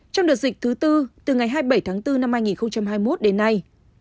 trong đợt dịch thứ tư từ ngày hai mươi bảy bốn hai nghìn hai mươi một đến nay